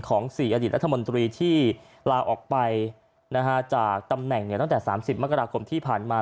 ๔อดีตรัฐมนตรีที่ลาออกไปจากตำแหน่งตั้งแต่๓๐มกราคมที่ผ่านมา